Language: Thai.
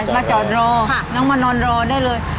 มาจอดรอน้องมานอนรอได้เลย